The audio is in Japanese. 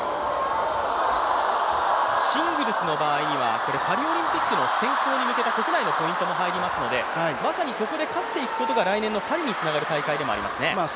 シングルスの場合にはパリオリンピックの選考に向けた国内のポイントも入りますのでまさにここで勝っていくことが来年のパリにつながる大会でもありますね。